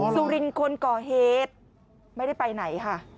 สุรินคนก่อเหตุไม่ได้ไปไหนค่ะ